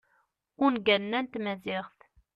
ungalen-a n tmaziɣt